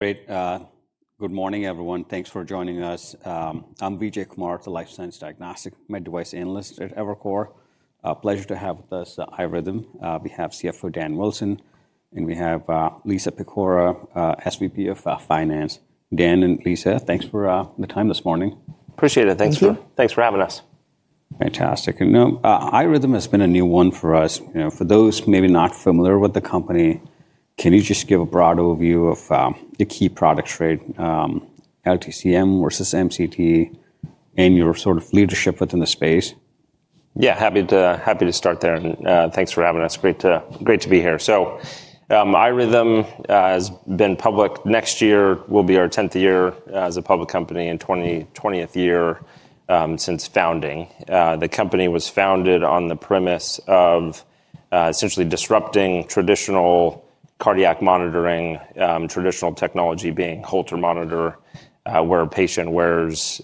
Great. Good morning, everyone. Thanks for joining us. I'm Vijay Kumar, the Life Science Diagnostic and Med Device Analyst at Evercore. Pleasure to have this iRhythm. We have CFO Dan Wilson, and we have Lisa Pecora, SVP of Finance. Dan and Lisa, thanks for the time this morning. Appreciate it. Thanks for having us. Fantastic. And iRhythm has been a new one for us. For those maybe not familiar with the company, can you just give a broad overview of the key products: LTCM versus MCT, and your sort of leadership within the space? Yeah, happy to start there. And thanks for having us. Great to be here. So iRhythm has been public. Next year will be our 10th year as a public company and 20th year since founding. The company was founded on the premise of essentially disrupting traditional cardiac monitoring, traditional technology being Holter monitor, where a patient wears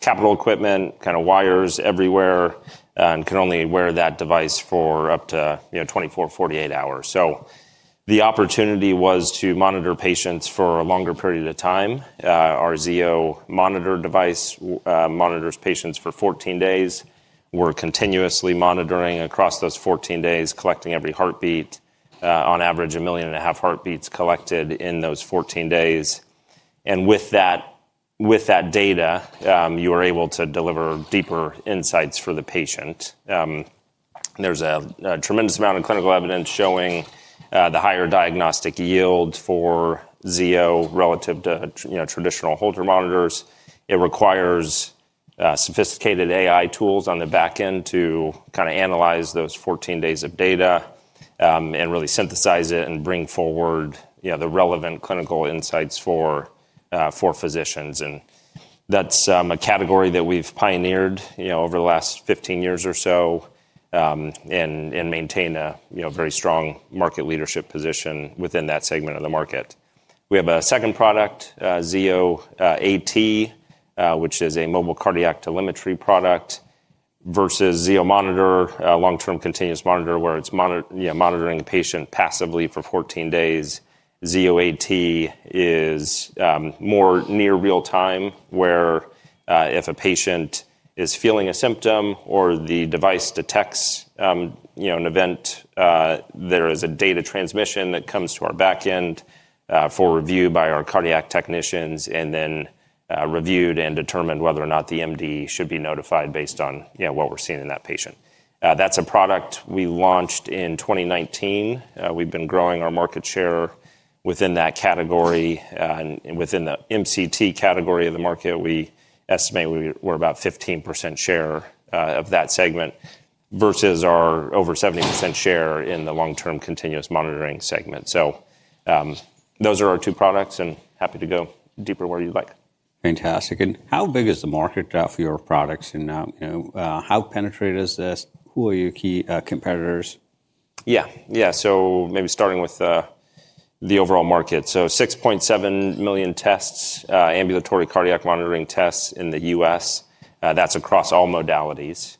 capital equipment, kind of wires everywhere, and can only wear that device for up to 24-48 hours. So the opportunity was to monitor patients for a longer period of time. Our Zio Monitor device monitors patients for 14 days. We're continuously monitoring across those 14 days, collecting every heartbeat. On average, 1.5 million heartbeats collected in those 14 days. And with that data, you are able to deliver deeper insights for the patient. There's a tremendous amount of clinical evidence showing the higher diagnostic yield for Zio relative to traditional Holter monitors. It requires sophisticated AI tools on the back end to kind of analyze those 14 days of data and really synthesize it and bring forward the relevant clinical insights for physicians. And that's a category that we've pioneered over the last 15 years or so and maintain a very strong market leadership position within that segment of the market. We have a second product, Zio AT, which is a mobile cardiac telemetry product versus Zio Monitor, long-term continuous monitor, where it's monitoring the patient passively for 14 days. Zio AT is more near real-time, where if a patient is feeling a symptom or the device detects an event, there is a data transmission that comes to our back end for review by our cardiac technicians, and then reviewed and determined whether or not the MD should be notified based on what we're seeing in that patient. That's a product we launched in 2019. We've been growing our market share within that category. Within the MCT category of the market, we estimate we're about 15% share of that segment versus our over 70% share in the long-term continuous monitoring segment. So those are our two products, and happy to go deeper where you'd like. Fantastic. And how big is the market for your products? And how penetrated is this? Who are your key competitors? Yeah, yeah. So maybe starting with the overall market. So 6.7 million tests, ambulatory cardiac monitoring tests in the U.S. That's across all modalities.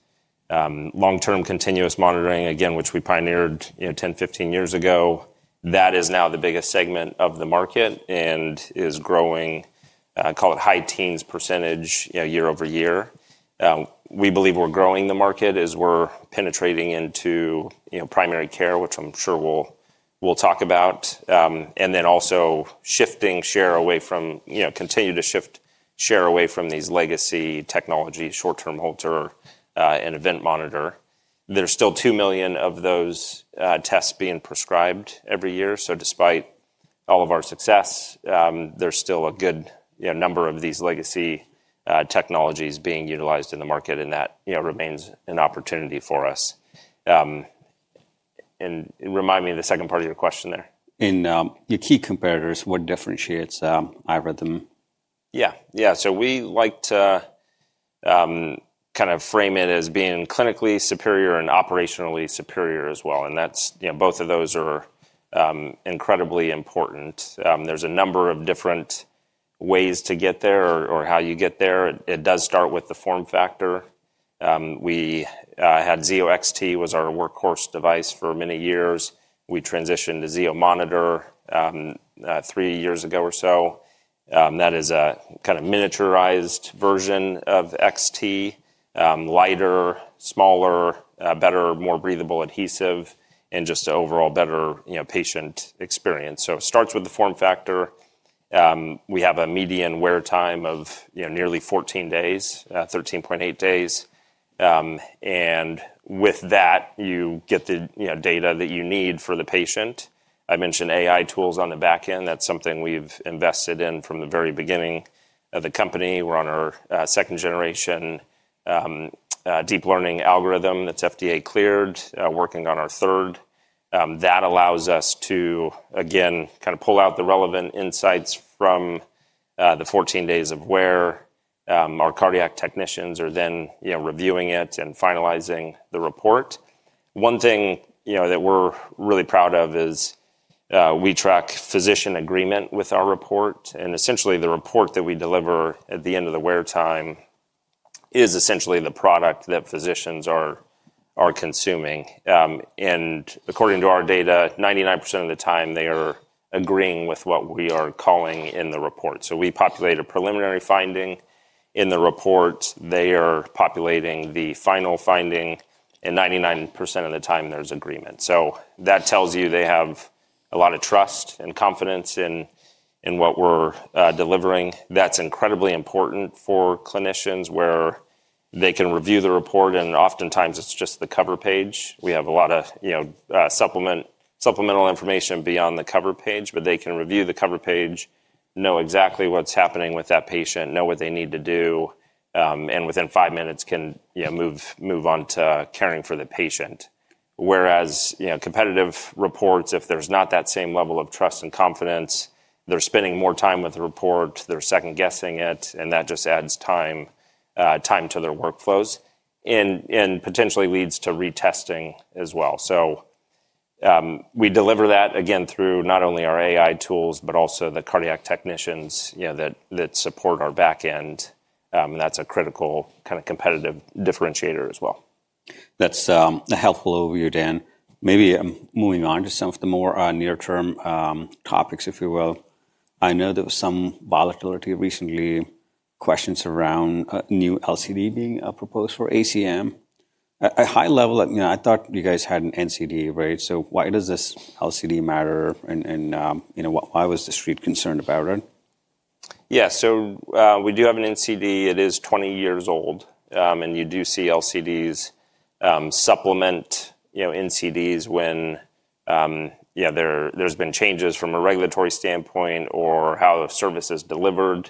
Long-term continuous monitoring, again, which we pioneered 10, 15 years ago, that is now the biggest segment of the market and is growing, call it high teens percentage year-over-year. We believe we're growing the market as we're penetrating into primary care, which I'm sure we'll talk about, and then also shifting share away from, continue to shift share away from these legacy technologies, short-term Holter and event monitor. There's still two million of those tests being prescribed every year. So despite all of our success, there's still a good number of these legacy technologies being utilized in the market, and that remains an opportunity for us. And remind me of the second part of your question there. Your key competitors, what differentiates iRhythm? Yeah, yeah. So we like to kind of frame it as being clinically superior and operationally superior as well. And both of those are incredibly important. There's a number of different ways to get there or how you get there. It does start with the form factor. We had Zio XT, was our workhorse device for many years. We transitioned to Zio Monitor three years ago or so. That is a kind of miniaturized version of XT, lighter, smaller, better, more breathable adhesive, and just overall better patient experience. So it starts with the form factor. We have a median wear time of nearly 14 days, 13.8 days. And with that, you get the data that you need for the patient. I mentioned AI tools on the back end. That's something we've invested in from the very beginning of the company. We're on our second generation deep learning algorithm that's FDA cleared, working on our third. That allows us to, again, kind of pull out the relevant insights from the 14 days of wear. Our cardiac technicians are then reviewing it and finalizing the report. One thing that we're really proud of is we track physician agreement with our report. Essentially, the report that we deliver at the end of the wear time is essentially the product that physicians are consuming. According to our data, 99% of the time they are agreeing with what we are calling in the report. We populate a preliminary finding in the report. They are populating the final finding. 99% of the time there's agreement. That tells you they have a lot of trust and confidence in what we're delivering. That's incredibly important for clinicians where they can review the report, oftentimes it's just the cover page. We have a lot of supplemental information beyond the cover page, but they can review the cover page, know exactly what's happening with that patient, know what they need to do, and within five minutes can move on to caring for the patient. Whereas competitive reports, if there's not that same level of trust and confidence, they're spending more time with the report, they're second-guessing it, and that just adds time to their workflows and potentially leads to retesting as well. So we deliver that again through not only our AI tools, but also the cardiac technicians that support our back end. And that's a critical kind of competitive differentiator as well. That's a helpful overview, Dan. Maybe moving on to some of the more near term topics, if you will. I know there was some volatility recently, questions around new LCD being proposed for ACM. At a high level, I thought you guys had an NCD, right? So why does this LCD matter? And why was the street concerned about it? Yeah, so we do have an NCD. It is 20 years old, and you do see LCDs supplement NCDs when there's been changes from a regulatory standpoint or how the service is delivered.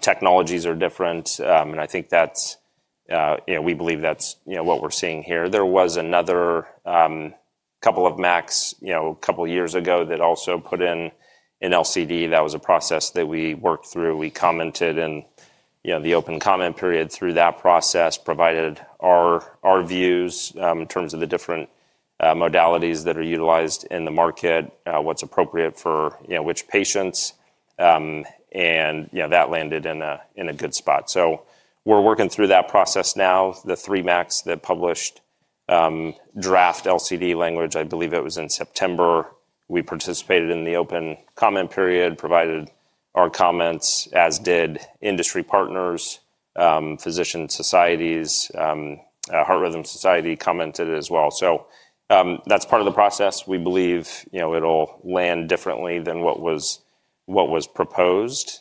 Technologies are different, and I think we believe that's what we're seeing here. There was another couple of MACs a couple of years ago that also put in an LCD. That was a process that we worked through. We commented in the open comment period through that process, provided our views in terms of the different modalities that are utilized in the market, what's appropriate for which patients, and that landed in a good spot, so we're working through that process now. The three MACs that published draft LCD language, I believe it was in September. We participated in the open comment period, provided our comments, as did industry partners, physician societies. Heart Rhythm Society commented as well. So that's part of the process. We believe it'll land differently than what was proposed.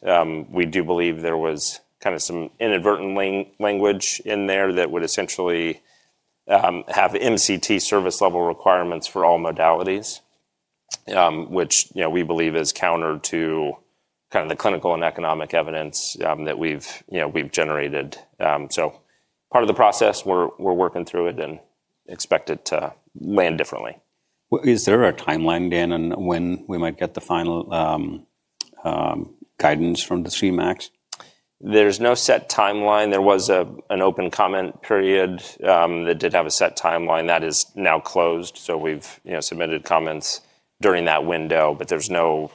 We do believe there was kind of some inadvertent language in there that would essentially have MCT service level requirements for all modalities, which we believe is counter to kind of the clinical and economic evidence that we've generated. So part of the process, we're working through it and expect it to land differently. Is there a timeline, Dan, on when we might get the final guidance from the three MACs? There's no set timeline. There was an open comment period that did have a set timeline. That is now closed. So we've submitted comments during that window, but there's no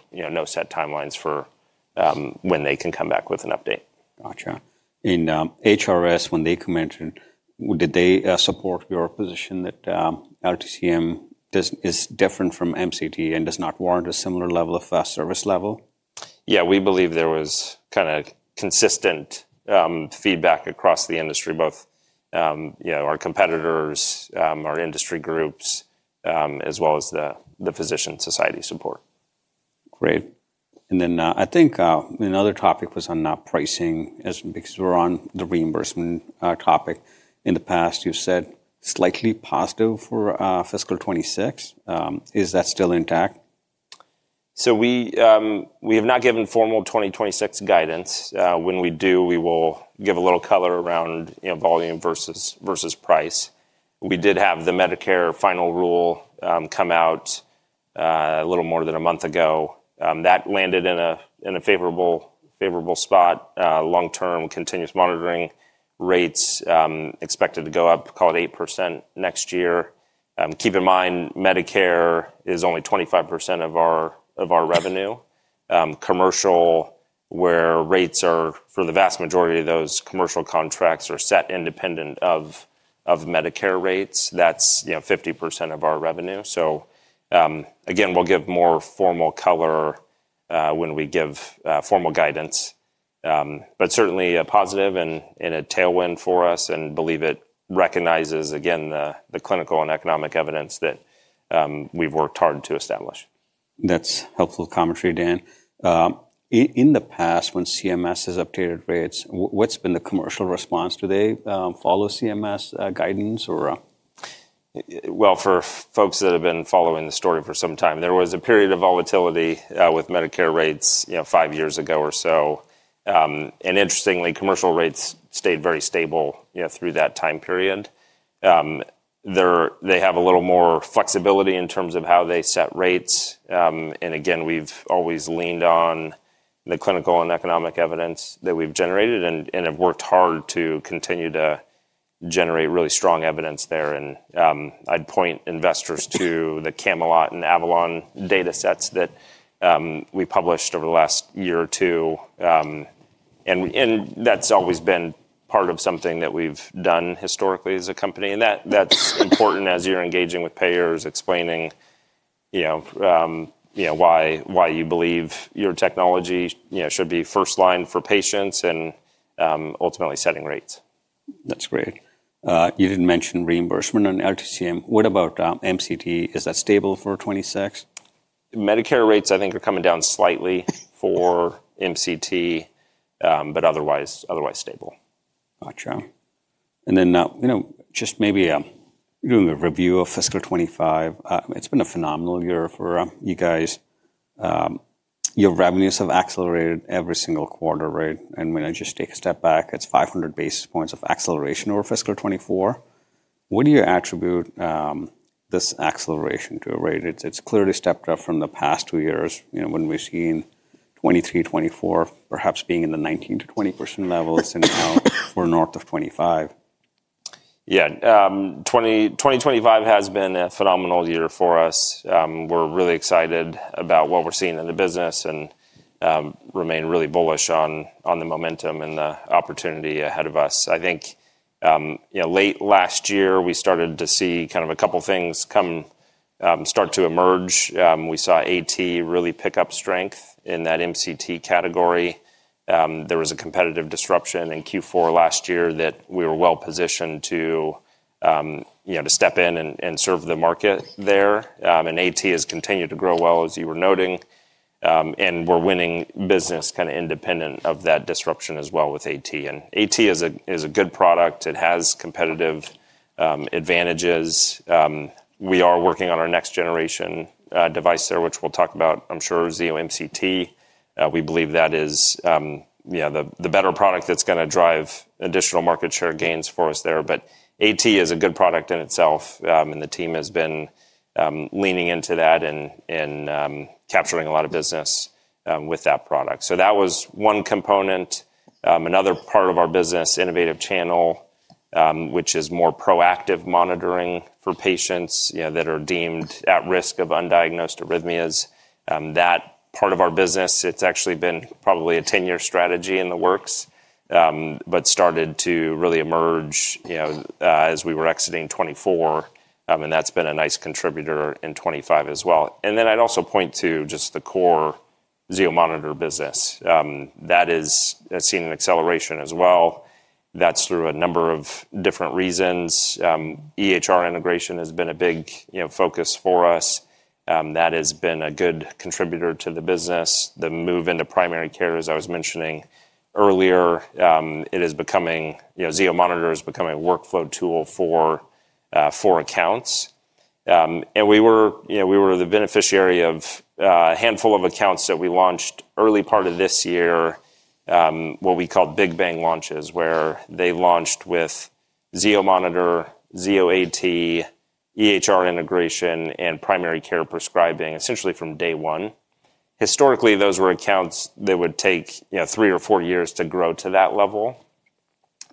set timelines for when they can come back with an update. Gotcha. And HRS, when they commented, did they support your position that LTCM is different from MCT and does not warrant a similar level of service? Yeah, we believe there was kind of consistent feedback across the industry, both our competitors, our industry groups, as well as the physician society support. Great, and then I think another topic was on pricing because we're on the reimbursement topic. In the past, you said slightly positive for fiscal 2026. Is that still intact? So we have not given formal 2026 guidance. When we do, we will give a little color around volume versus price. We did have the Medicare final rule come out a little more than a month ago. That landed in a favorable spot. Long-term continuous monitoring rates expected to go up, call it 8% next year. Keep in mind, Medicare is only 25% of our revenue. Commercial, where rates are for the vast majority of those commercial contracts are set independent of Medicare rates, that's 50% of our revenue. So again, we'll give more formal color when we give formal guidance, but certainly a positive and a tailwind for us and believe it recognizes, again, the clinical and economic evidence that we've worked hard to establish. That's helpful commentary, Dan. In the past, when CMS has updated rates, what's been the commercial response? Do they follow CMS guidance or? For folks that have been following the story for some time, there was a period of volatility with Medicare rates five years ago or so. Interestingly, commercial rates stayed very stable through that time period. They have a little more flexibility in terms of how they set rates. Again, we've always leaned on the clinical and economic evidence that we've generated and have worked hard to continue to generate really strong evidence there. I'd point investors to the CAMELOR and AVALON data sets that we published over the last year or two. That's always been part of something that we've done historically as a company. That's important as you're engaging with payers, explaining why you believe your technology should be first line for patients and ultimately setting rates. That's great. You didn't mention reimbursement on LTCM. What about MCT? Is that stable for 2026? Medicare rates, I think, are coming down slightly for MCT, but otherwise stable. Gotcha. And then just maybe doing a review of Fiscal 2025, it's been a phenomenal year for you guys. Your revenues have accelerated every single quarter, right? And when I just take a step back, it's 500 basis points of acceleration over Fiscal 2024. What do you attribute this acceleration to, right? It's clearly stepped up from the past two years. Wouldn't we have seen 2023, 2024 perhaps being in the 19% to 20% levels and now we're north of 25%? Yeah. 2025 has been a phenomenal year for us. We're really excited about what we're seeing in the business and remain really bullish on the momentum and the opportunity ahead of us. I think late last year, we started to see kind of a couple of things start to emerge. We saw AT really pick up strength in that MCT category. There was a competitive disruption in Q4 last year that we were well positioned to step in and serve the market there. And AT has continued to grow well, as you were noting. And AT is a good product. It has competitive advantages. We are working on our next generation device there, which we'll talk about, I'm sure, Zio MCT. We believe that is the better product that's going to drive additional market share gains for us there. But AT is a good product in itself. And the team has been leaning into that and capturing a lot of business with that product. So that was one component. Another part of our business, innovative channel, which is more proactive monitoring for patients that are deemed at risk of undiagnosed arrhythmias. That part of our business, it's actually been probably a 10-year strategy in the works, but started to really emerge as we were exiting 2024. And that's been a nice contributor in 2025 as well. And then I'd also point to just the core Zio Monitor business. That has seen an acceleration as well. That's through a number of different reasons. EHR Integration has been a big focus for us. That has been a good contributor to the business. The move into primary care, as I was mentioning earlier, Zio Monitor is becoming a workflow tool for accounts. And we were the beneficiary of a handful of accounts that we launched early part of this year, what we called Big Bang launches, where they launched with Zio Monitor, Zio AT, EHR Integration, and primary care prescribing essentially from day one. Historically, those were accounts that would take three or four years to grow to that level.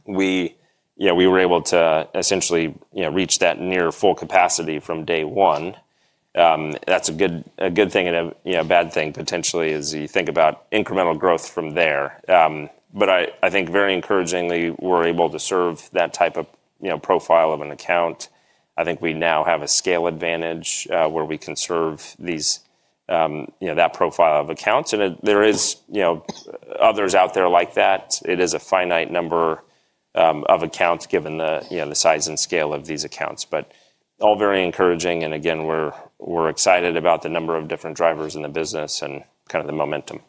We were able to essentially reach that near full capacity from day one. That's a good thing and a bad thing potentially as you think about incremental growth from there. But I think very encouragingly, we're able to serve that type of profile of an account. I think we now have a scale advantage where we can serve that profile of accounts. And there are others out there like that. It is a finite number of accounts given the size and scale of these accounts. But all very encouraging. And again, we're excited about the number of different drivers in the business and kind of the momentum.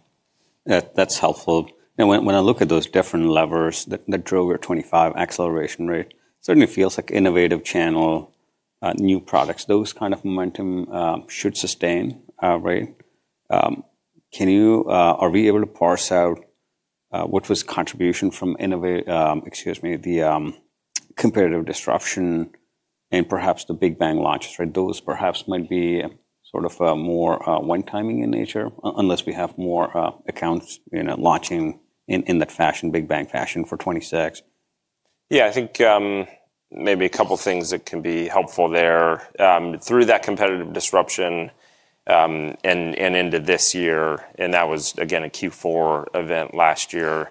That's helpful. And when I look at those different levers that drove your 2025 acceleration rate, certainly feels innovative channel, new products, those kind of momentum should sustain, right? Are we able to parse out what was contribution from, excuse me, the competitive disruption and perhaps the Big Bang launches, right? Those perhaps might be sort of more one-time in nature unless we have more accounts launching in that fashion, Big Bang fashion for 2026. Yeah, I think maybe a couple of things that can be helpful there. Through that competitive disruption and into this year, and that was again a Q4 event last year,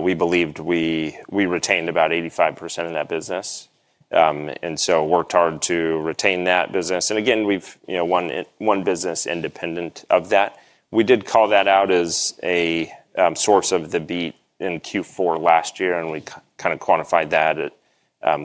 we believed we retained about 85% of that business. And so worked hard to retain that business. And again, we've won business independent of that. We did call that out as a source of the beat in Q4 last year. And we kind of quantified that at,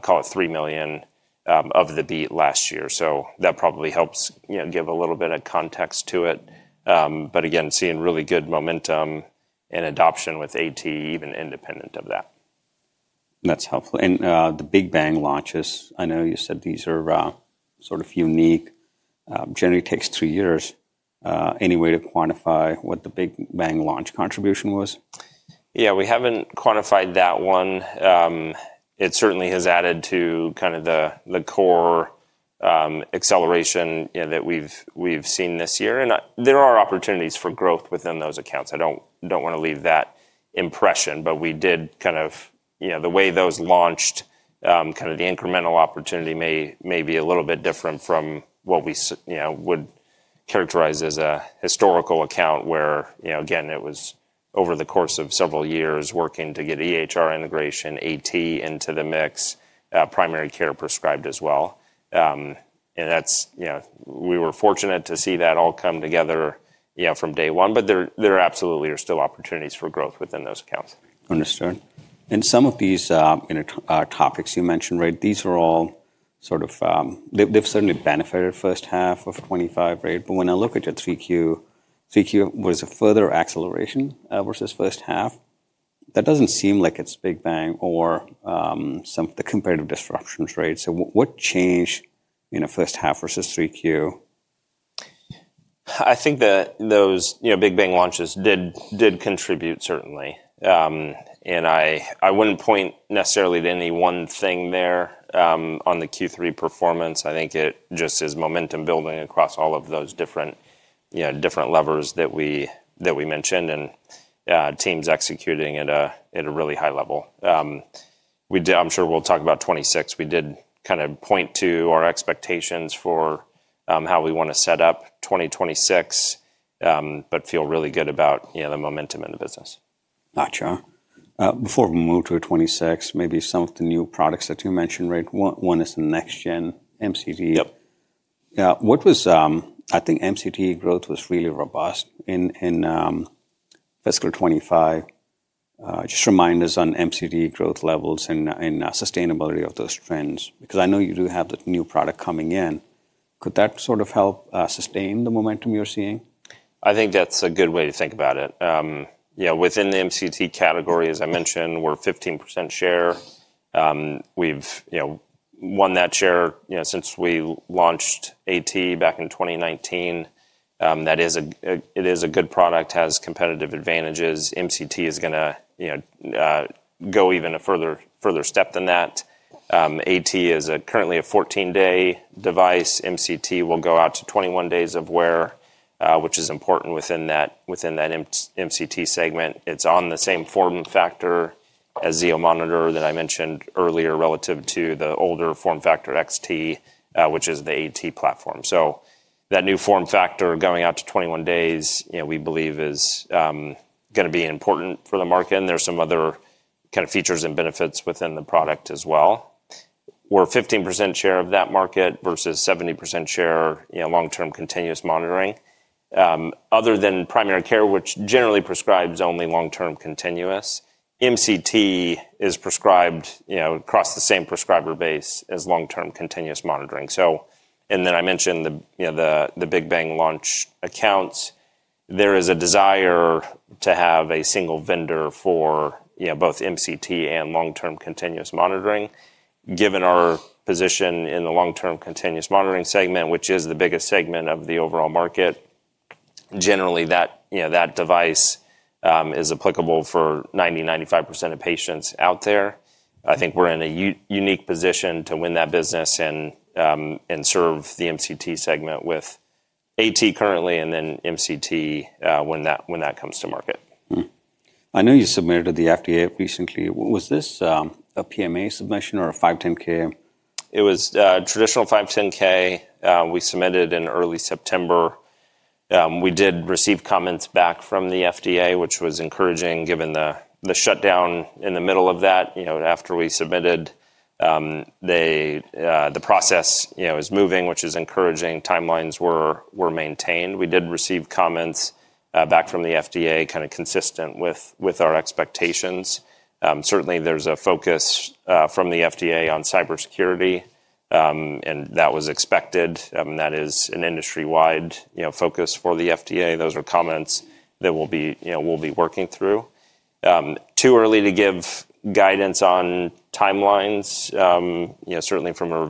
call it $3 million of the beat last year. So that probably helps give a little bit of context to it. But again, seeing really good momentum and adoption with AT, even independent of that. That's helpful. And the Big Bang launches, I know you said these are sort of unique. Generally takes three years. Any way to quantify what the Big Bang launch contribution was? Yeah, we haven't quantified that one. It certainly has added to kind of the core acceleration that we've seen this year. And there are opportunities for growth within those accounts. I don't want to leave that impression, but we did kind of the way those launched, kind of the incremental opportunity may be a little bit different from what we would characterize as a historical account where, again, it was over the course of several years working to get EHR Integration, AT into the mix, primary care prescribed as well. And we were fortunate to see that all come together from day one, but there absolutely are still opportunities for growth within those accounts. Understood. And some of these topics you mentioned, right? These are all sort of they've certainly benefited first half of 2025, right? But when I look at your 3Q, 3Q was a further acceleration versus first half. That doesn't seem like it's Big Bang or some of the comparative disruptions, right? So what changed in a first half versus 3Q? I think that those Big Bang launches did contribute certainly, and I wouldn't point necessarily to any one thing there on the Q3 performance. I think it just is momentum building across all of those different levers that we mentioned and teams executing at a really high level. I'm sure we'll talk about 2026. We did kind of point to our expectations for how we want to set up 2026, but feel really good about the momentum in the business. Gotcha. Before we move to 2026, maybe some of the new products that you mentioned, right? One is the next-gen MCT. Yep. I think MCT growth was really robust in Fiscal 2025. Just remind us on MCT growth levels and sustainability of those trends because I know you do have the new product coming in. Could that sort of help sustain the momentum you're seeing? I think that's a good way to think about it. Within the MCT category, as I mentioned, we're 15% share. We've won that share since we launched AT back in 2019. It is a good product, has competitive advantages. MCT is going to go even a further step than that. AT is currently a 14-day device. MCT will go out to 21 days of wear, which is important within that MCT segment. It's on the same form factor as Zio Monitor that I mentioned earlier relative to the older form factor XT, which is the AT platform. So that new form factor going out to 21 days, we believe is going to be important for the market. And there's some other kind of features and benefits within the product as well. We're 15% share of that market versus 70% share long-term continuous monitoring. Other than primary care, which generally prescribes only long-term continuous, MCT is prescribed across the same prescriber base as long-term continuous monitoring. Then I mentioned the Big Bang launch accounts. There is a desire to have a single vendor for both MCT and long-term continuous monitoring. Given our position in the long-term continuous monitoring segment, which is the biggest segment of the overall market, generally that device is applicable for 90% to 95% of patients out there. I think we're in a unique position to win that business and serve the MCT segment with AT currently and then MCT when that comes to market. I know you submitted to the FDA recently. Was this a PMA submission or a 510 (k)? It was a traditional 510 (k). We submitted in early September. We did receive comments back from the FDA, which was encouraging given the shutdown in the middle of that. After we submitted, the process is moving, which is encouraging. Timelines were maintained. We did receive comments back from the FDA kind of consistent with our expectations. Certainly, there's a focus from the FDA on cybersecurity, and that was expected. That is an industry-wide focus for the FDA. Those are comments that we'll be working through. Too early to give guidance on timelines, certainly from a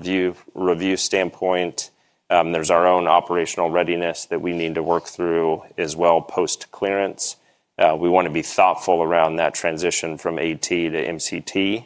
review standpoint. There's our own operational readiness that we need to work through as well post-clearance. We want to be thoughtful around that transition from AT to MCT.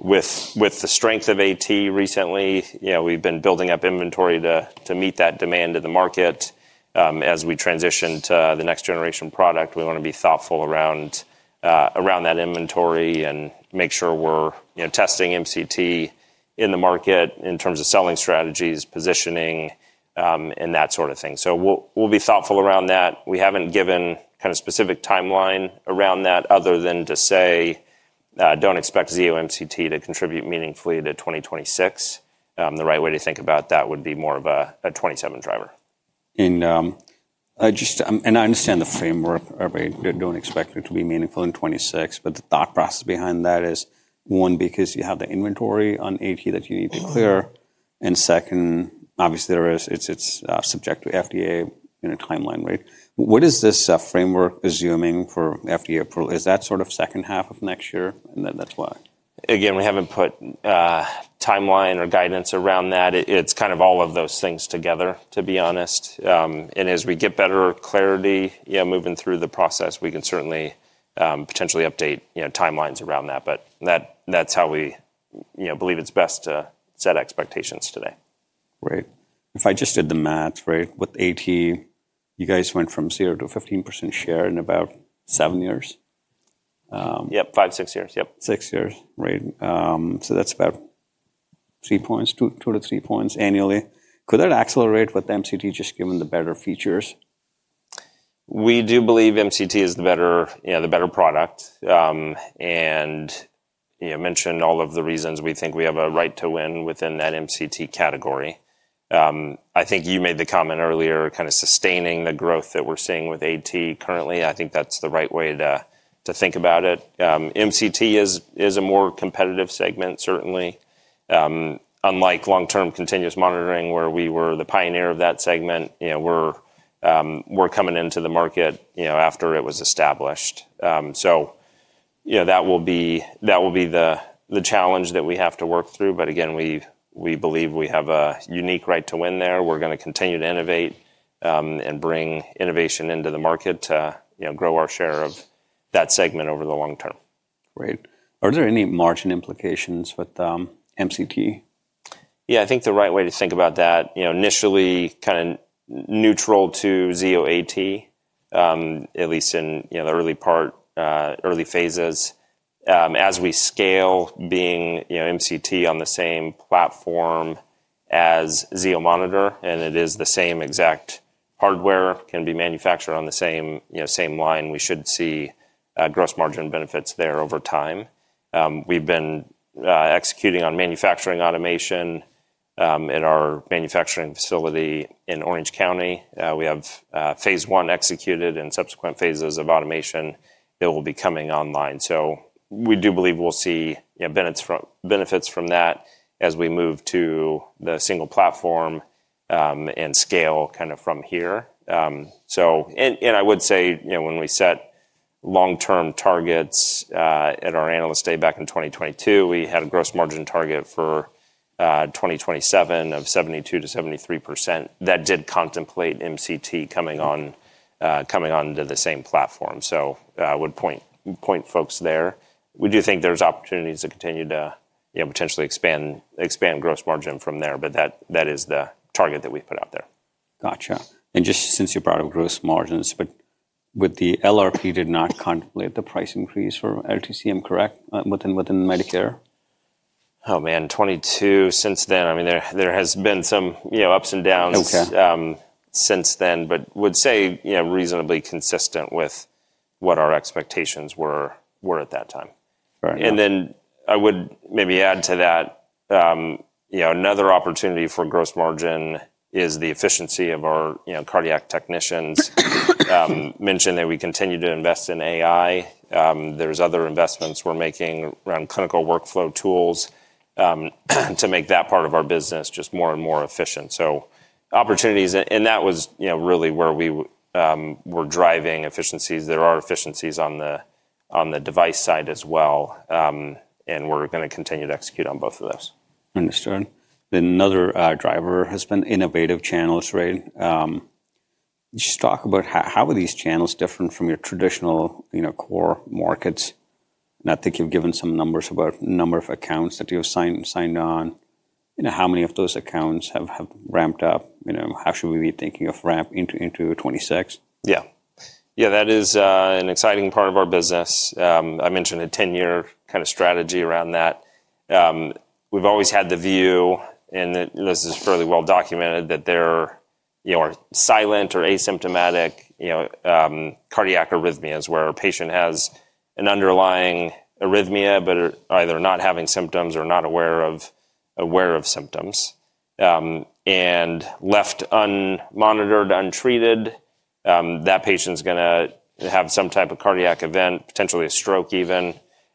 With the strength of AT recently, we've been building up inventory to meet that demand of the market. As we transition to the next generation product, we want to be thoughtful around that inventory and make sure we're testing MCT in the market in terms of selling strategies, positioning, and that sort of thing. So we'll be thoughtful around that. We haven't given kind of specific timeline around that other than to say, don't expect Zio MCT to contribute meaningfully to 2026. The right way to think about that would be more of a 2027 driver. I understand the framework, right? They don't expect it to be meaningful in 2026, but the thought process behind that is one, because you have the inventory on AT that you need to clear. And second, obviously, it's subject to FDA timeline, right? What is this framework assuming for FDA approval? Is that sort of second half of next year? And then that's why. Again, we haven't put timeline or guidance around that. It's kind of all of those things together, to be honest. And as we get better clarity moving through the process, we can certainly potentially update timelines around that. But that's how we believe it's best to set expectations today. Right. If I just did the math, right, with AT, you guys went from 0 to 15% share in about seven years. Yep, five, six years. Yep. Six years, right? So that's about two to three points annually. Could that accelerate with MCT just given the better features? We do believe MCT is the better product. And I mentioned all of the reasons we think we have a right to win within that MCT category. I think you made the comment earlier kind of sustaining the growth that we're seeing with AT currently. I think that's the right way to think about it. MCT is a more competitive segment, certainly. Unlike long-term continuous monitoring, where we were the pioneer of that segment, we're coming into the market after it was established. So that will be the challenge that we have to work through. But again, we believe we have a unique right to win there. We're going to continue to innovate and bring innovation into the market to grow our share of that segment over the long term. Right. Are there any margin implications with MCT? Yeah, I think the right way to think about that, initially kind of neutral to Zio AT, at least in the early phases. As we scale being MCT on the same platform as Zio Monitor, and it is the same exact hardware, can be manufactured on the same line, we should see gross margin benefits there over time. We've been executing on manufacturing automation in our manufacturing facility in Orange County. We have phase one executed and subsequent phases of automation that will be coming online. So we do believe we'll see benefits from that as we move to the single platform and scale kind of from here. And I would say when we set long-term targets at our analyst day back in 2022, we had a gross margin target for 2027 of 72% to 73% that did contemplate MCT coming onto the same platform. So I would point folks there. We do think there's opportunities to continue to potentially expand gross margin from there, but that is the target that we've put out there. Gotcha. And just since you brought up gross margins, but with the LRP did not contemplate the price increase for LTCM, correct? Within Medicare? Oh man, 2022 since then, I mean, there has been some ups and downs since then, but would say reasonably consistent with what our expectations were at that time. Then I would maybe add to that, another opportunity for gross margin is the efficiency of our cardiac technicians. Mentioned that we continue to invest in AI. There's other investments we're making around clinical workflow tools to make that part of our business just more and more efficient. Opportunities, and that was really where we were driving efficiencies. There are efficiencies on the device side as well. We're going to continue to execute on both of those. Understood. Another driver has innovative channels, right? Just talk about how are these channels different from your traditional core markets? And I think you've given some numbers about the number of accounts that you have signed on. How many of those accounts have ramped up? How should we be thinking of ramp into 2026? Yeah. Yeah, that is an exciting part of our business. I mentioned a 10-year kind of strategy around that. We've always had the view, and this is fairly well documented, that there are silent or asymptomatic cardiac arrhythmias where a patient has an underlying arrhythmia, but either not having symptoms or not aware of symptoms. And left unmonitored, untreated, that patient's going to have some type of cardiac event, potentially a stroke even,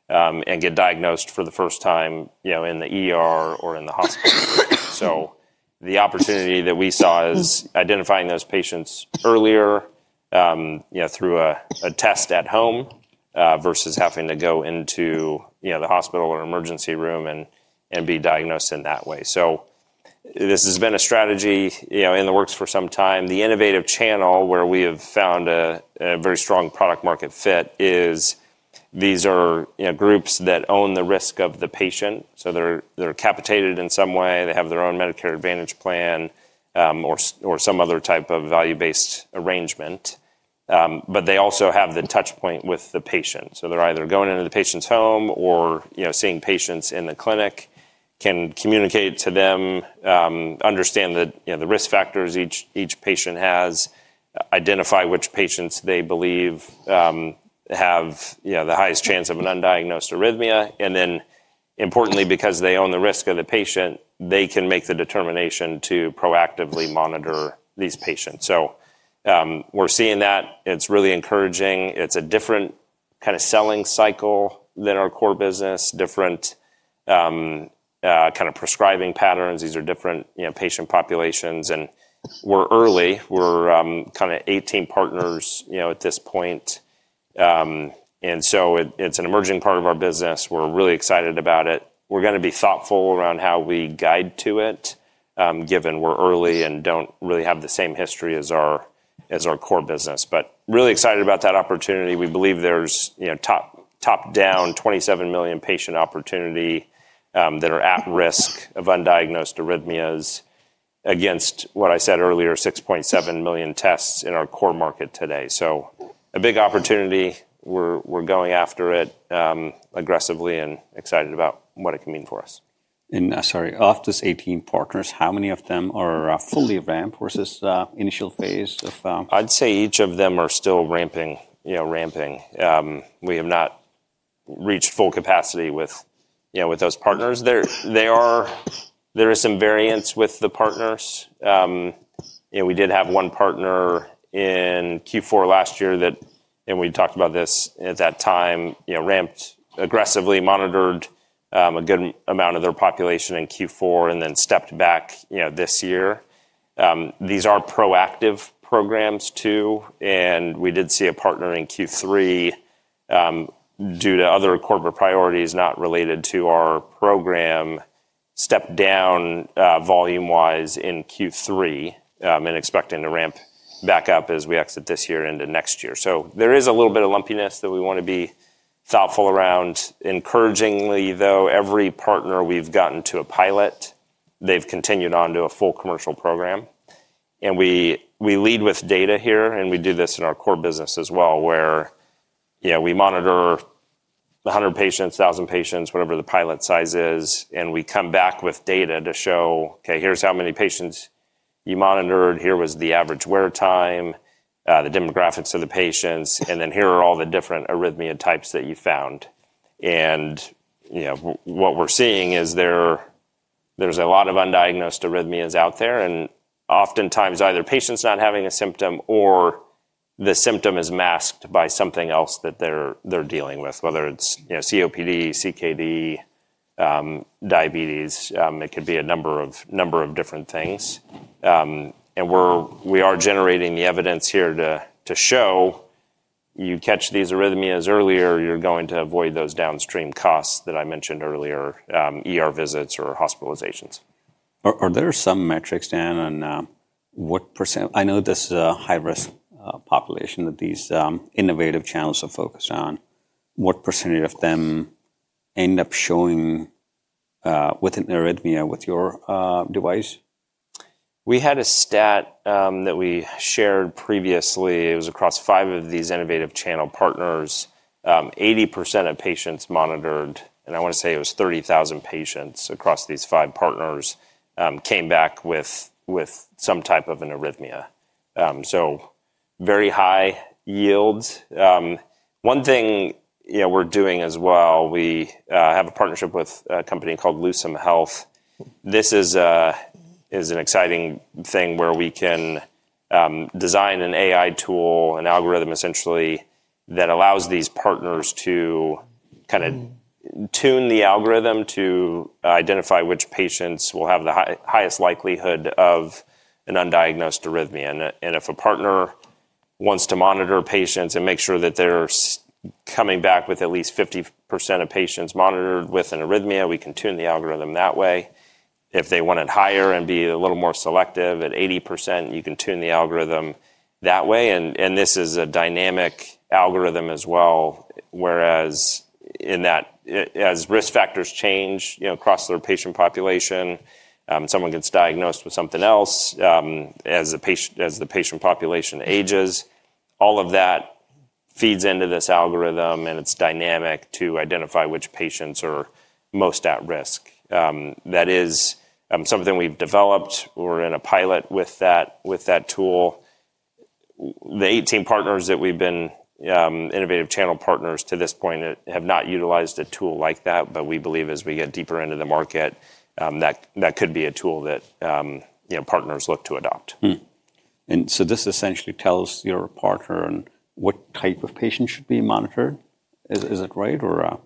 and get diagnosed for the first time in the hospital. So the opportunity that we saw is identifying those patients earlier through a test at home versus having to go into the hospital or emergency room and be diagnosed in that way. So this has been a strategy in the works for some time. The innovative channel where we have found a very strong product market fit is these are groups that own the risk of the patient. So they're capitated in some way. They have their own Medicare Advantage plan or some other type of value based arrangement. But they also have the touchpoint with the patient. So they're either going into the patient's home or seeing patients in the clinic, can communicate to them, understand the risk factors each patient has, identify which patients they believe have the highest chance of an undiagnosed arrhythmia. And then importantly, because they own the risk of the patient, they can make the determination to proactively monitor these patients. So we're seeing that. It's really encouraging. It's a different kind of selling cycle than our core business, different kind of prescribing patterns. These are different patient populations. And we're early. We're kind of 18 partners at this point and so it's an emerging part of our business. We're really excited about it. We're going to be thoughtful around how we guide to it, given we're early and don't really have the same history as our core business but really excited about that opportunity. We believe there's top-down 27 million patient opportunity that are at risk of undiagnosed arrhythmias against what I said earlier, 6.7 million tests in our core market today, so a big opportunity. We're going after it aggressively and excited about what it can mean for us. Sorry, of these 18 partners, how many of them are fully ramped versus initial phase of? I'd say each of them are still ramping. We have not reached full capacity with those partners. There is some variance with the partners. We did have one partner in Q4 last year that, and we talked about this at that time, ramped aggressively, monitored a good amount of their population in Q4, and then stepped back this year. These are proactive programs too, and we did see a partner in Q3 due to other corporate priorities not related to our program step down volume-wise in Q3 and expecting to ramp back up as we exit this year into next year, so there is a little bit of lumpiness that we want to be thoughtful around. Encouragingly, though, every partner we've gotten to a pilot, they've continued on to a full commercial program. We lead with data here, and we do this in our core business as well, where we monitor 100 patients, 1,000 patients, whatever the pilot size is, and we come back with data to show, okay, here's how many patients you monitored. Here was the average wear time, the demographics of the patients, and then here are all the different arrhythmia types that you found. What we're seeing is there's a lot of undiagnosed arrhythmias out there. Oftentimes, either patients not having a symptom or the symptom is masked by something else that they're dealing with, whether it's COPD, CKD, diabetes. It could be a number of different things. We are generating the evidence here to show you catch these arrhythmias earlier, you're going to avoid those downstream costs that I mentioned earlier, visits or hospitalizations. Are there some metrics then on what percent? I know this is a high-risk population that innovative channels are focused on. What percent of them end up showing with an arrhythmia with your device? We had a stat that we shared previously. It was across five of innovative channel partners. 80% of patients monitored, and I want to say it was 30,000 patients across these five partners came back with some type of an arrhythmia, so very high yields. One thing we're doing as well, we have a partnership with a company called Lucem Health. This is an exciting thing where we can design an AI tool, an algorithm essentially, that allows these partners to kind of tune the algorithm to identify which patients will have the highest likelihood of an undiagnosed arrhythmia and if a partner wants to monitor patients and make sure that they're coming back with at least 50% of patients monitored with an arrhythmia, we can tune the algorithm that way. If they want it higher and be a little more selective at 80%, you can tune the algorithm that way, and this is a dynamic algorithm as well, whereas as risk factors change across their patient population, someone gets diagnosed with something else as the patient population ages. All of that feeds into this algorithm, and it's dynamic to identify which patients are most at risk. That is something we've developed. We're in a pilot with that tool. The 18 partners that we've been innovative channel partners to this point have not utilized a tool like that, but we believe as we get deeper into the market, that could be a tool that partners look to adopt. And so this essentially tells your partner what type of patient should be monitored. Is it right?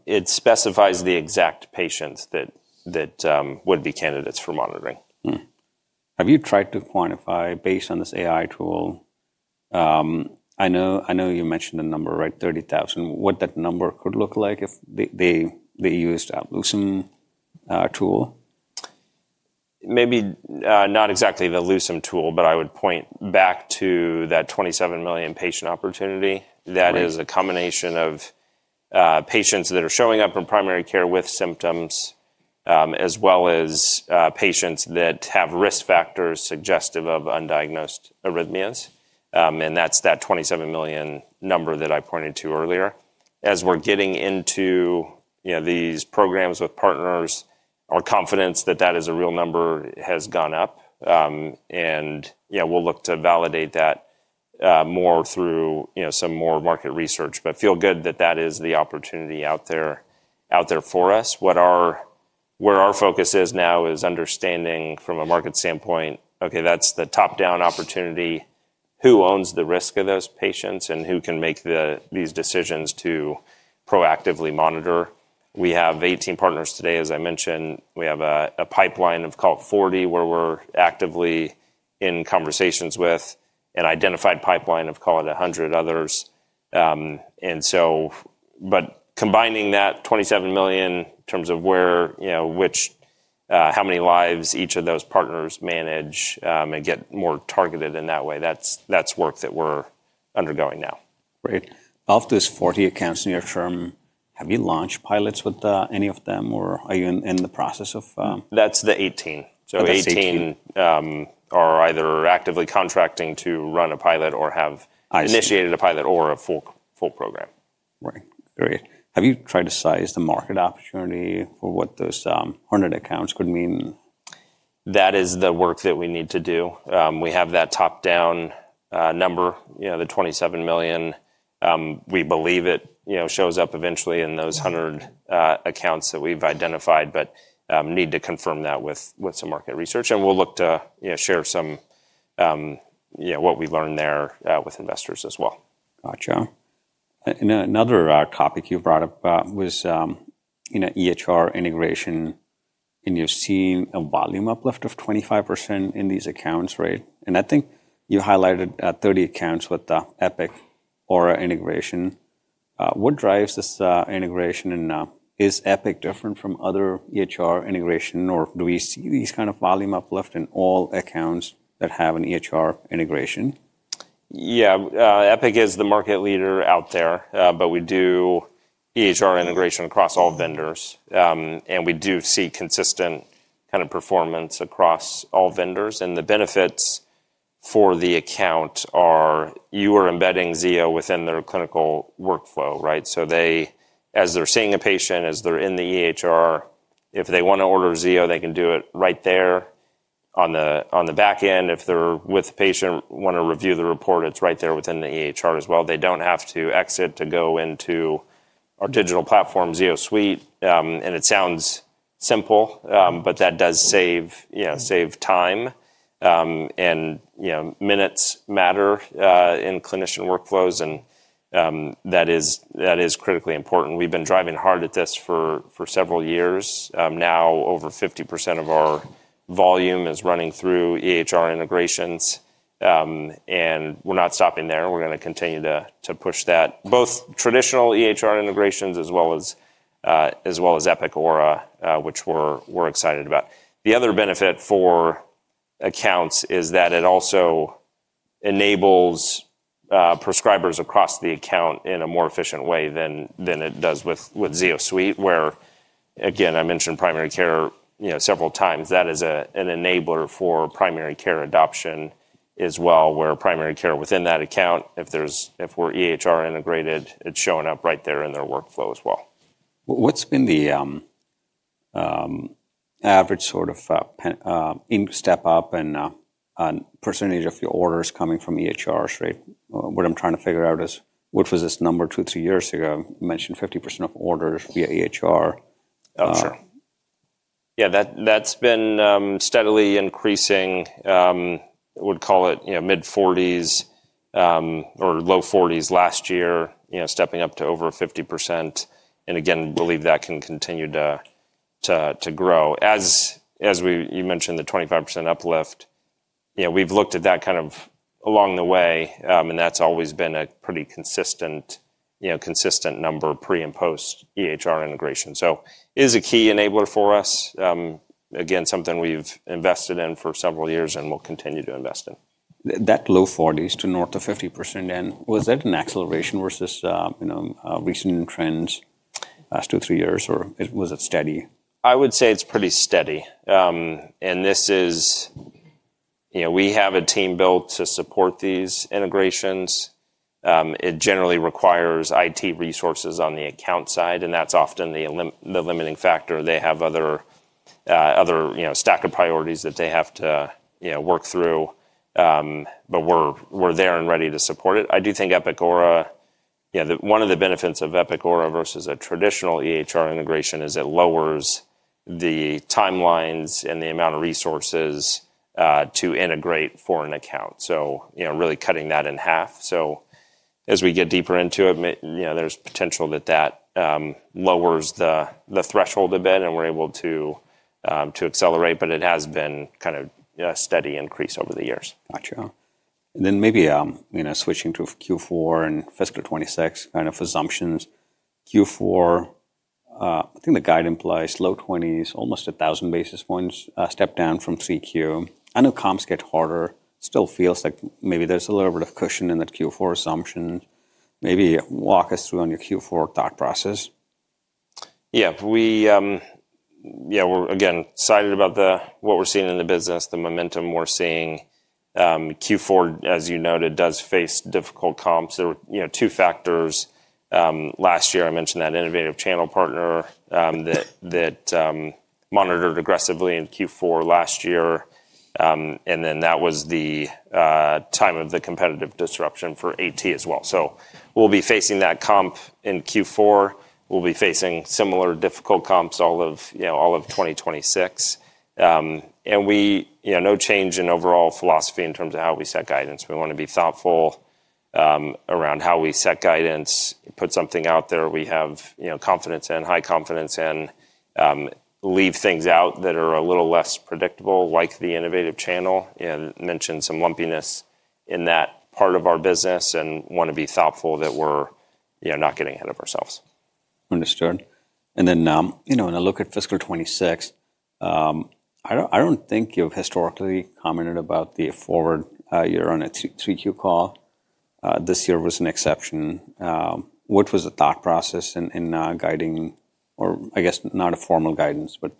It specifies the exact patients that would be candidates for monitoring. Have you tried to quantify based on this AI tool? I know you mentioned a number, right? 30,000. What that number could look like if they used a Lucem tool? Maybe not exactly the Lucem tool, but I would point back to that 27 million patient opportunity. That is a combination of patients that are showing up in primary care with symptoms, as well as patients that have risk factors suggestive of undiagnosed arrhythmias. And that's that 27 million number that I pointed to earlier. As we're getting into these programs with partners, our confidence that that is a real number has gone up. And we'll look to validate that more through some more market research, but feel good that that is the opportunity out there for us. Where our focus is now is understanding from a market standpoint, okay, that's the top-down opportunity. Who owns the risk of those patients and who can make these decisions to proactively monitor? We have 18 partners today, as I mentioned. We have a pipeline of 40 where we're actively in conversations with an identified pipeline of 100 others. But combining that 27 million in terms of how many lives each of those partners manage and get more targeted in that way, that's work that we're undergoing now. Great. Of these 40 accounts in your firm, have you launched pilots with any of them, or are you in the process of? That's the 18, so 18 are either actively contracting to run a pilot or have initiated a pilot or a full program. Right. Great. Have you tried to size the market opportunity for what those 100 accounts could mean? That is the work that we need to do. We have that top-down number, the 27 million. We believe it shows up eventually in those 100 accounts that we've identified, but need to confirm that with some market research, and we'll look to share some of what we learned there with investors as well. Gotcha. And another topic you brought up was EHR Integration. And you've seen a volume uplift of 25% in these accounts, right? And I think you highlighted 30 accounts with Epic Aura integration. What drives this integration? And is Epic different from other EHR Integration, or do we see these kind of volume uplift in all accounts that have an EHR Integration? Yeah. Epic is the market leader out there, but we do EHR Integration across all vendors. And we do see consistent kind of performance across all vendors. And the benefits for the account are you are embedding Zio within their clinical workflow, right? So as they're seeing a patient, as they're in the EHR, if they want to order Zio, they can do it right there on the back end. If they're with the patient, want to review the report, it's right there within the EHR as well. They don't have to exit to go into our digital platform, Zio Suite. And it sounds simple, but that does save time. And minutes matter in clinician workflows, and that is critically important. We've been driving hard at this for several years. Now over 50% of our volume is running through EHR Integrations. And we're not stopping there. We're going to continue to push that, both traditional EHR Integrations as well as Epic Aura, which we're excited about. The other benefit for accounts is that it also enables prescribers across the account in a more efficient way than it does with Zio Suite, where, again, I mentioned primary care several times. That is an enabler for primary care adoption as well, where primary care within that account, if we're EHR integrated, it's showing up right there in their workflow as well. What's been the average sort of ink step up and percentage of your orders coming from EHRs, right? What I'm trying to figure out is what was this number two, three years ago? You mentioned 50% of orders via EHR. Yeah, that's been steadily increasing. I would call it mid-40s% or low-40s% last year, stepping up to over 50%. And again, believe that can continue to grow. As you mentioned, the 25% uplift, we've looked at that kind of along the way, and that's always been a pretty consistent number pre and post EHR Integration. So it is a key enabler for us. Again, something we've invested in for several years and will continue to invest in. That low 40s% to north of 50%, and was that an acceleration versus recent trends last two, three years, or was it steady? I would say it's pretty steady. And we have a team built to support these integrations. It generally requires IT resources on the account side, and that's often the limiting factor. They have other stack of priorities that they have to work through, but we're there and ready to support it. I do think Epic Aura, one of the benefits of Epic Aura versus a traditional EHR Integration is it lowers the timelines and the amount of resources to integrate for an account. So really cutting that in half. So as we get deeper into it, there's potential that that lowers the threshold a bit and we're able to accelerate, but it has been kind of a steady increase over the years. Gotcha. And then maybe switching to Q4 and Fiscal 26 kind of assumptions. Q4, I think the guide implies low 20s, almost 1,000 basis points step down from 3Q. I know comps get harder. It still feels like maybe there's a little bit of cushion in that Q4 assumption. Maybe walk us through on your Q4 thought process. Yeah. We're again excited about what we're seeing in the business, the momentum we're seeing. Q4, as you noted, does face difficult comps. There were two factors. Last year, I mentioned innovative channel partner that monitored aggressively in Q4 last year. And then that was the time of the competitive disruption for AT as well. So we'll be facing that comp in Q4. We'll be facing similar difficult comps all of 2026. And no change in overall philosophy in terms of how we set guidance. We want to be thoughtful around how we set guidance, put something out there we have confidence in, high confidence in, leave things out that are a little less predictable, like innovative channel. And mentioned some lumpiness in that part of our business and want to be thoughtful that we're not getting ahead of ourselves. Understood. Then when I look at Fiscal 2026, I don't think you've historically commented about the forward year on a 3Q call. This year was an exception. What was the thought process in guiding, or I guess not a formal guidance, but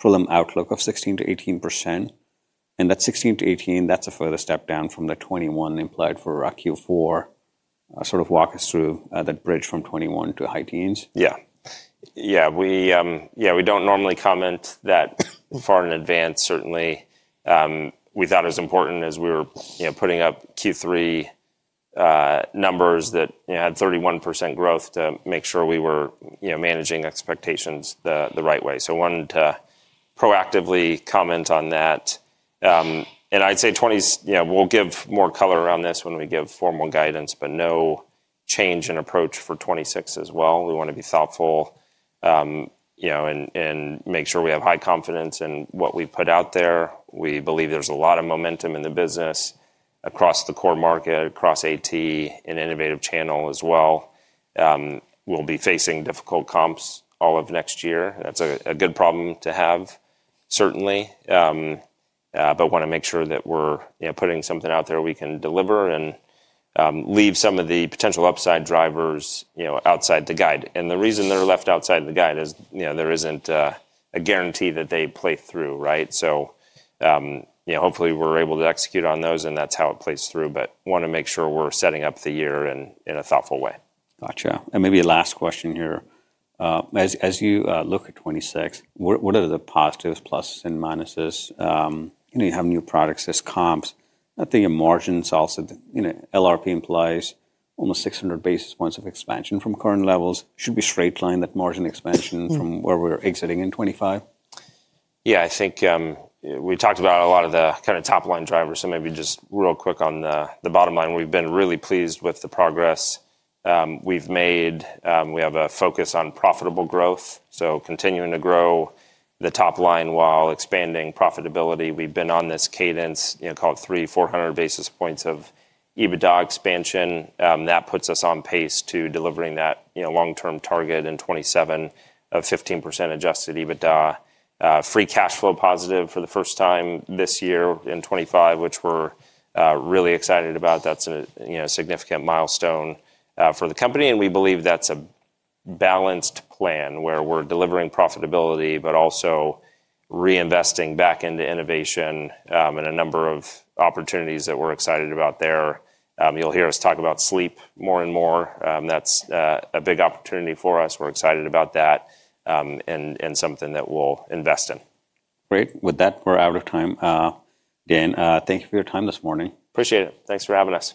prelim outlook of 16% to 18%? And that 16% to 18%, that's a further step down from the 21% implied for Q4. Sort of walk us through that bridge from 21% to high teens. Yeah. Yeah. Yeah. We don't normally comment that far in advance, certainly. We thought it was important as we were putting up Q3 numbers that had 31% growth to make sure we were managing expectations the right way. So wanted to proactively comment on that. And I'd say we'll give more color around this when we give formal guidance, but no change in approach for 2026 as well. We want to be thoughtful and make sure we have high confidence in what we've put out there. We believe there's a lot of momentum in the business across the core market, across AT innovative channel as well. We'll be facing difficult comps all of next year. That's a good problem to have, certainly, but want to make sure that we're putting something out there we can deliver and leave some of the potential upside drivers outside the guide. The reason they're left outside the guide is there isn't a guarantee that they play through, right? So hopefully we're able to execute on those and that's how it plays through, but want to make sure we're setting up the year in a thoughtful way. Gotcha. And maybe last question here. As you look at 2026, what are the positives, pluses, and minuses? You have new products, there's comps. I think in margins also, LRP implies almost 600 basis points of expansion from current levels. Should we straight line that margin expansion from where we're exiting in 2025? Yeah. I think we talked about a lot of the kind of top line drivers. So maybe just real quick on the bottom line. We've been really pleased with the progress we've made. We have a focus on profitable growth. So continuing to grow the top line while expanding profitability. We've been on this cadence, call it 300 to 400 basis points of EBITDA expansion. That puts us on pace to delivering that long-term target in 2027 of 15% adjusted EBITDA. Free cash flow positive for the first time this year in 2025, which we're really excited about. That's a significant milestone for the company. And we believe that's a balanced plan where we're delivering profitability, but also reinvesting back into innovation and a number of opportunities that we're excited about there. You'll hear us talk about sleep more and more. That's a big opportunity for us. We're excited about that and something that we'll invest in. Great. With that, we're out of time. Dan, thank you for your time this morning. Appreciate it. Thanks for having us.